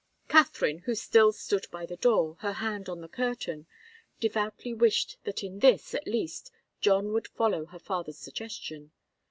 Katharine, who still stood by the door, her hand on the curtain, devoutly wished that in this, at least, John would follow her father's suggestion.